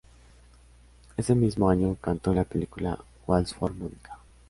Ese mismo año cantó en la película "Waltz for Monica".